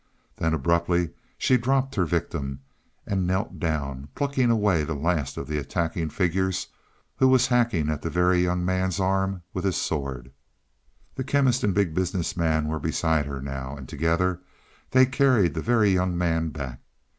Then abruptly she dropped her victim and knelt down, plucking away the last of the attacking figures who was hacking at the Very Young Man's arm with his sword. The Chemist and Big Business Man were beside her now, and together they carried the Very Young Man back.